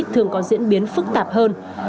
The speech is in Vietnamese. thường có diễn biến phức tạp hơn